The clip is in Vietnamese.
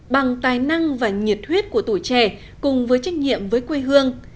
bằng tài năng và nhiệt huyết của tuổi trẻ cùng với trách nhiệm với quê hương